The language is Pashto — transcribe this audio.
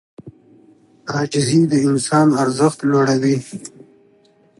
عاجزي د انسان ارزښت لوړوي.